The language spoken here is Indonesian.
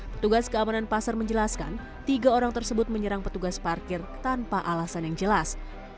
petugas keamanan pasar menjelaskan tiga orang tersebut menyerang petugas parkir tanpa alasan yang jelas